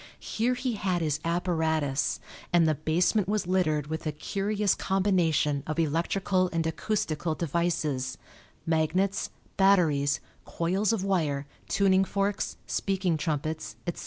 Here he had his apparatus, and the basement was littered with a curious combination of electrical and acoustical devices magnets, batteries, coils of wire, tuning forks, speaking trumpets, etc.